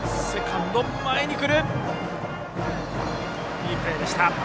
いいプレーでした。